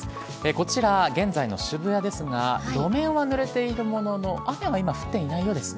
こちら、現在の渋谷ですが、路面はぬれているものの、雨は今、降っていないようですね。